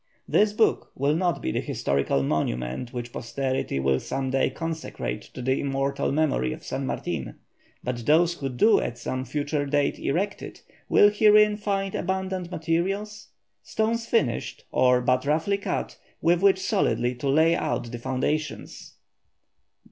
This book will not be the historical monument which posterity will some day consecrate to the immortal memory of San Martin, but those who do at some future date erect it, will herein find abundant materials, stones finished or but roughly cut, with which solidly to lay out the foundations.